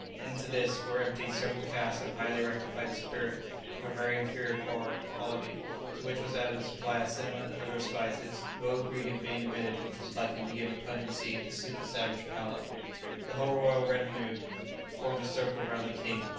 Into this were emptied several casks of highly rectified spirit, of a very inferior quality, to which was added a supply of cinnamon and other spices, no ingredient being omitted which was likely to give a pungency to suit the savage palate. The whole royal retinue formed a circle round the king.